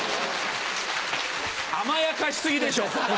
・甘やかし過ぎでしょ！